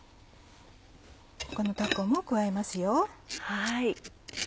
このたこも加えますよ。